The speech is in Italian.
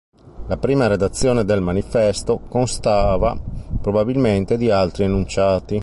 La prima redazione del Manifesto constava probabilmente di altri enunciati.